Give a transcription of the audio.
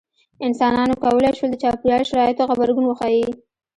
انسانانو کولی شول د چاپېریال شرایطو ته غبرګون وښيي.